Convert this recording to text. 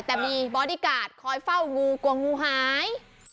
แต่มีบอดี้การ์ดคอยเฝ้างูกลัวงูหาย